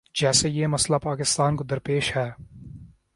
جیسے یہ مسئلہ پاکستان کو درپیش ہے۔